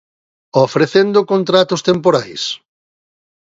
Ofrecendo contratos temporais?